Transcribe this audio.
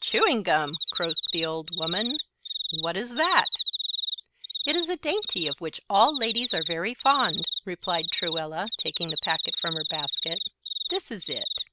"Chewing gum!" croaked the old woman, "what is that?" "It is a dainty of which all ladies are very fond," replied Truella, taking the packet from her basket. "This is it."